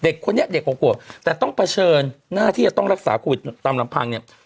เด็กคนนี้เด็กกว่าขวบแต่ต้องเผชิญหน้าที่จะต้องรักษาโควิดตามลำพังเนี่ย